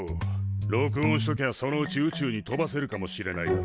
録音しときゃそのうち宇宙に飛ばせるかもしれないだろ。